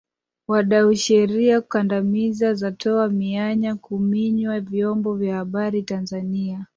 Wadau Sheria kandamizi zatoa mianya kuminywa vyombo vya habari Tanzania